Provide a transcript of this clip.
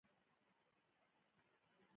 رنځوران په دې ارمان وي له رنځ او ربړې خلاص شي.